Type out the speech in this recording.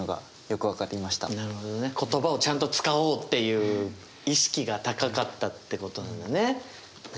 言葉をちゃんと使おうっていう意識が高かったってことなんだね。